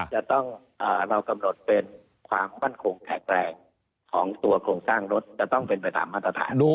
จะต้องเรากำหนดเป็นความมั่นคงแข็งแรงของตัวโครงสร้างรถจะต้องเป็นไปตามมาตรฐาน